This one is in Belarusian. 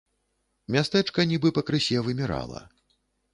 Мястэчка нібы пакрысе вымірала.